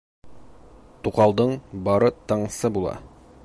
Туҡалдың бары тыңсы була.